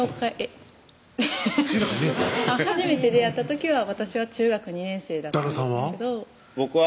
初めて出会った時は私は中学２年生だった旦那さんは？